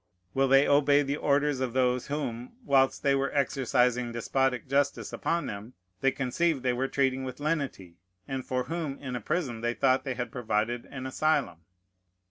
will they obey the orders of those whom, whilst they were exercising despotic justice upon them, they conceived they were treating with lenity, and for whom in a prison they thought they had provided an asylum?